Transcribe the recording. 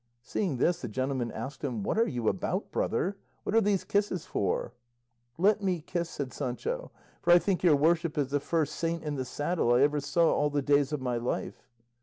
Seeing this the gentleman asked him, "What are you about, brother? What are these kisses for?" "Let me kiss," said Sancho, "for I think your worship is the first saint in the saddle I ever saw all the days of my life."